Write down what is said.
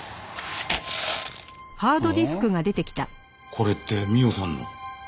これって美緒さんの。